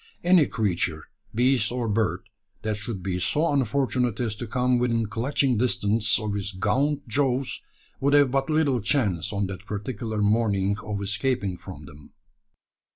Any creature, beast or bird, that should be so unfortunate as to come within clutching distance of his gaunt jaws, would have but little chance on that particular morning of escaping from them.